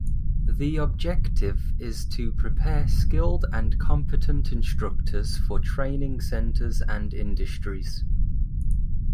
The objective is to prepare skilled and competent instructors for training centres and industries.